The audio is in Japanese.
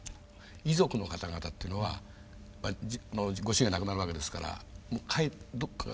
遺族の方々っていうのはご主人が亡くなるわけですからやはり帰るんですか？